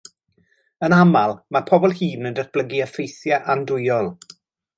Yn aml, mae pobl hŷn yn datblygu effeithiau andwyol.